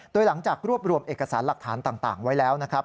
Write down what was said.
โดยหลังจากรวบรวมเอกสารหลักฐานต่างไว้แล้วนะครับ